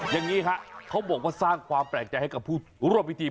อย่างนี้ฮะเขาบอกว่าสร้างความแปลกใจให้กับผู้ร่วมพิธี